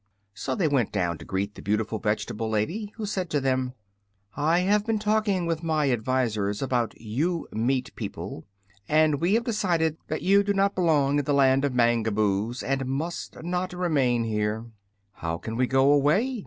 So they went down to greet the beautiful vegetable lady, who said to them: "I have been talking with my advisors about you meat people, and we have decided that you do not belong in the Land of the Mangaboos and must not remain here." "How can we go away?"